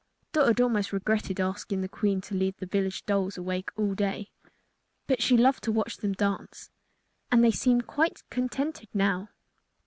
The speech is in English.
Dot had almost regretted asking the Queen to leave the village dolls awake all day; but she loved to watch them dance, and they seemed quite contented now.